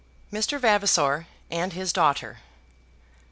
Mr. Vavasor and His Daughter.